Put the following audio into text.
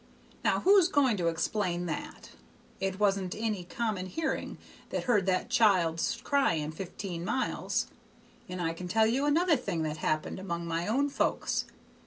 Now, who's going to explain that? It wasn't any common hearing that heard that child's cryin' fifteen miles. And I can tell you another thing that happened among my own folks.